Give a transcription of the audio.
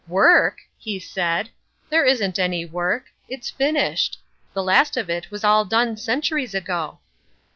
"Work!" he said. "There isn't any work. It's finished. The last of it was all done centuries ago."